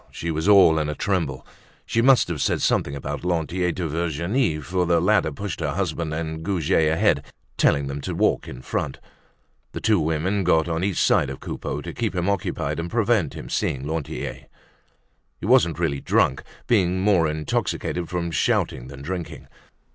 She was all in a tremble. She must have said something about Lantier to Virginie, for the latter pushed her husband and Goujet ahead, telling them to walk in front. The two women got on each side of Coupeau to keep him occupied and prevent him seeing Lantier. He wasn't really drunk, being more intoxicated from shouting than from drinking.